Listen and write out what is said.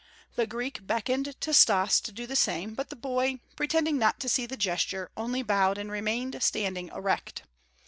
The Greek beckoned to Stas to do the same, but the boy, pretending not to see the gesture, only bowed and remained standing erect.